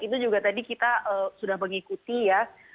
itu juga tadi kita sudah mengikuti ya